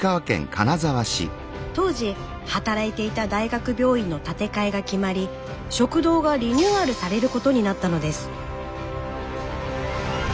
当時働いていた大学病院の建て替えが決まり食堂がリニューアルされることになったのです。